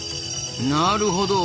なるほど。